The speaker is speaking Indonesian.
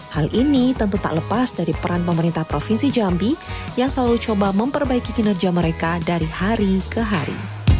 hal ini tentu tak lepas dari peran pemerintah provinsi jambi yang selalu coba memperbaiki kinerja mereka dari hari ke hari